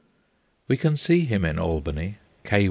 We can see him in Albany, K.